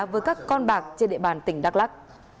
với các con bạc trên địa bàn tỉnh đắk lắc